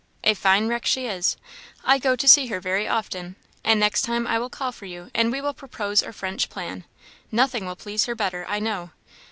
A fine wreck she is! I go to see her very often, and next time I will call for you and we will propose our French plan; nothing will please her better, I know.